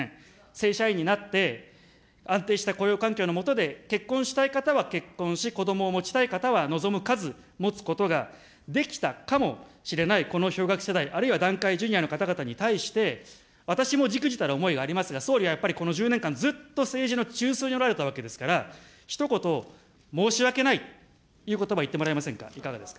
正社員になって、安定した雇用環境のもとで、結婚したい方は結婚し、こどもを持ちたい方は望む数、持つことができたかもしれない、この氷河期世代、あるいは団塊ジュニアの方々に対して、私もじくじたる思いがありますが、総理はやっぱりこの１０年間、ずっと政治の中枢におられたわけですから、ひと言、申し訳ないということば言ってもらえませんか。